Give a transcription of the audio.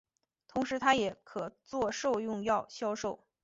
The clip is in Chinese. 同时它也可作兽用药销售。